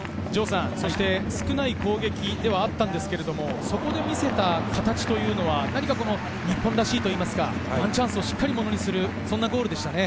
少ない攻撃ではあったんですが、そこで見せた形は何か日本らしいというか、ワンチャンスをしっかりものにするゴールでしたね。